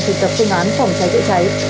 thực tập phương án phòng cháy chữa cháy